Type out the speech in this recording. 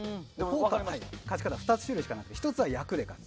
勝ち方は２種類しかなくて１つは役で勝つ。